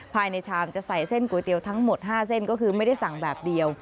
ภายในชามจะใส่เส้นก๋วยเตี๋ยวทั้งหมด๕เส้นก็คือไม่ได้สั่งแบบเดียว